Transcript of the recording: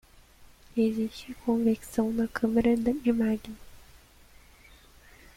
Existe convecção na câmara de magma.